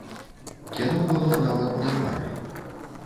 Кіно было нават не марай.